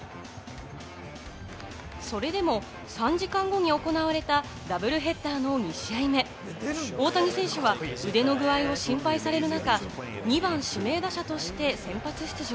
それでも３時間後に行われたダブルヘッダーの２試合目、大谷選手は腕の具合を心配される中、２番・指名打者として先発出場。